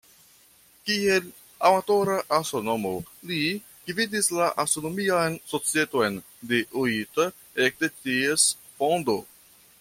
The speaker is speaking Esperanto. Kiel amatora astronomo, li gvidis la Astronomian Societon de Oita ekde ties fondo.